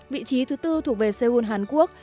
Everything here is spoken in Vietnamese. vị trí thứ tư thuộc về seoul hàn quốc